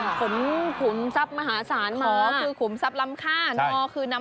ขอคือขุมทรัพย์ล้ำค่านอนคือนำพาโชคลาภ